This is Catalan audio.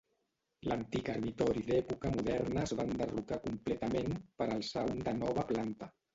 L'antic ermitori d'època moderna es va enderrocar completament per alçar un de nova planta.